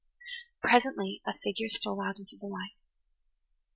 Presently a figure stole out into the light.